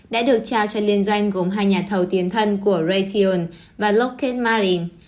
đã được trao cho liên doanh gồm hai nhà thầu tiền thân của raytheon và lockheed martin